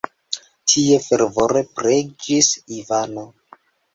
Tie fervore preĝis Ivano.